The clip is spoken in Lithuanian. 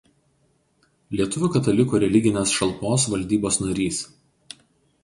Lietuvių katalikų religinės šalpos valdybos narys.